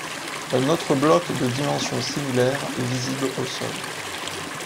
Un autre bloc de dimensions similaires est visible au sol.